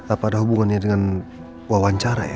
apa ada hubungannya dengan wawancara ya